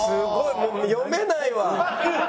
もう読めないわ。